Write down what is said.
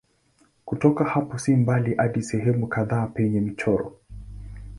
Kutoka hapo si mbali hadi sehemu kadhaa penye michoro.